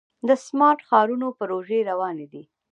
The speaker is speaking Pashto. د سمارټ ښارونو پروژې روانې دي.